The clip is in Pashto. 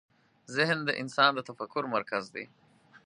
ذهن د انسان د تفکر مرکز دی.